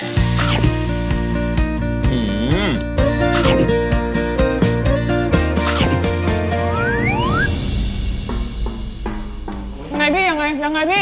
ยังไงพี่ยังไง